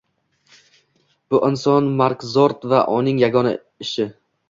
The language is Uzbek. Bu inson Mark Kort va uning yagona ishi